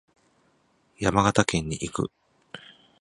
山形県に行く。